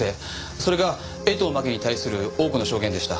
それが江藤真紀に対する多くの証言でした。